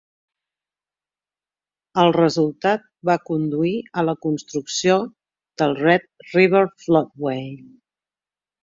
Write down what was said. El resultat va conduir a la construcció del Red River Floodway.